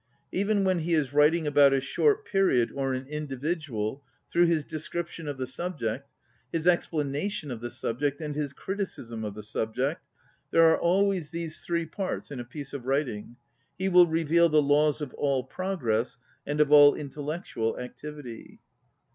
Even when he is writ ing about a short period or an indi vidual, through his description of the subject, his explanation of the sub ject, and his criticism of the subject ŌĆö there are always these three parts in a piece of writing ŌĆö he will reveal the laws of all progress and of all intellectual activity.